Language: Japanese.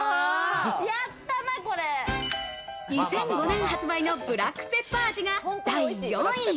２００５年発売のブラックペッパー味が第４位。